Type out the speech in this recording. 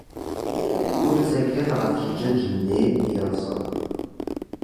Ur ttakel ɣef zzjaj-nni yerrẓen.